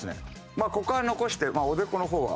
まあここは残しておでこの方は。